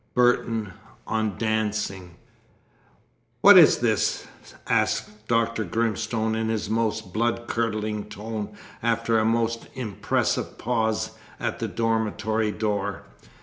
BURTON, on Dancing. "What is this?" asked Dr. Grimstone in his most blood curdling tone, after a most impressive pause at the dormitory door.